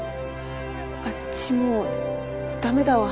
あっちもう駄目だわ。